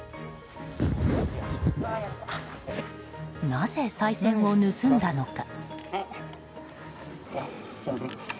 なぜ、さい銭を盗んだのか。